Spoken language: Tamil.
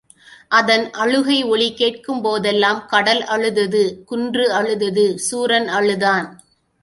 அதன் அழுகை ஒலி கேட்கும்போதெல்லாம் கடல் அழுதது, குன்று அழுதது, சூரன் அழுதான்.